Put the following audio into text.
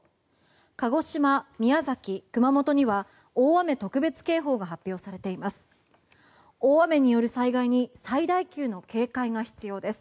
鹿児島、宮崎、熊本には大雨特別警報が発表されています。